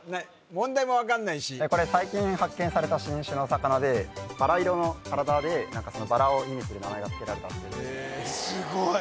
問題も分かんないしこれ最近発見された新種の魚でバラ色の体でバラを意味する名前が付けられたっていうすごい！